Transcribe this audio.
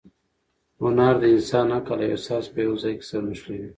هنر د انسان عقل او احساس په یو ځای کې سره نښلوي.